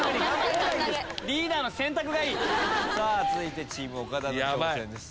続いてチーム岡田の挑戦です。